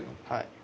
はい。